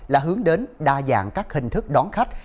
là hướng đến đa dạng các hình thức đón khách